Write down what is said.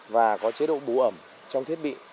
và có chế độ bù ẩm trong thiết bị